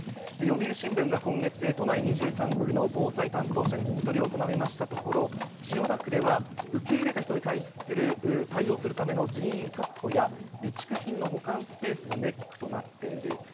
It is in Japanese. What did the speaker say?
読売新聞が今月、都内２３区の防災担当者に聞き取りを行いましたところ、千代田区では、受け入れた人に対応するための人員確保や、備蓄品の保管スペースがネックとなっている。